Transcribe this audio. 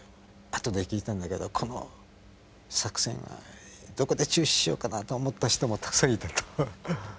あとで聞いたんだけどこの作戦はどこで中止しようかなと思った人もたくさんいたと。